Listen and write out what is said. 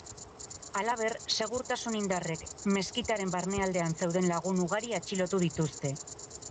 Halaber, segurtasun indarrek meskitaren barnealdean zeuden lagun ugari atxilotu dituzte.